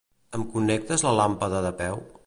Em connectes la làmpada de peu?